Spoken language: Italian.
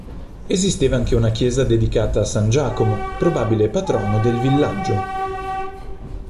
Esisteva anche una chiesa dedicata a San Giacomo, probabile patrono del villaggio.